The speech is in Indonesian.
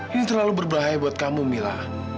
ini terlalu berbahaya buat kamu mila